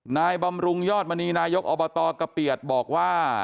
บำรุงยอดมณีนายกอบตกะเปียดบอกว่า